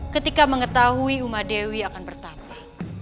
ketika mengetahui umadewi akan bertapa